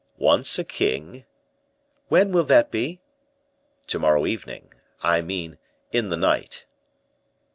Once a king " "When will that be?" "To morrow evening I mean in the night."